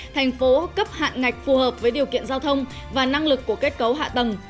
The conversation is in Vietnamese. thành phố cấp hạn ngạch phù hợp với điều kiện giao thông và năng lực của kết cấu hạ tầng